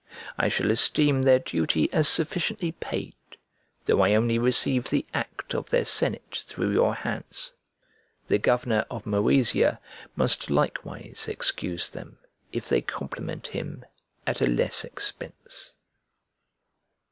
I shall esteem their duty as sufficiently paid, though I only receive the act of their senate through your hands. The governor of Moesia must likewise excuse them if they compliment him at a less expense.